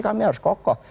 kami harus kokoh